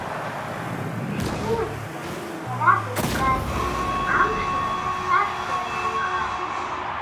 Сҵәыуатәӡам, бара бызгарҵыз, Амшра сашҭа иазынхап.